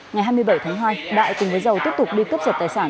ngày hai mươi bảy tháng hai đại cùng với giàu tiếp tục đi cướp sợi tài sản